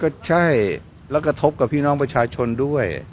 ก็ใช่แล้วกระทบกับพี่น้องประชาชนด้วย